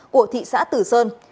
của thị xã từ sơn